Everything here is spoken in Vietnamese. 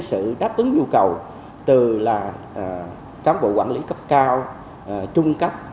sự đáp ứng nhu cầu từ cán bộ quản lý cấp cao trung cấp